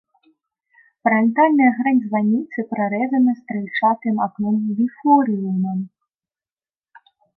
Франтальная грань званіцы прарэзана стральчатым акном-біфорыумам.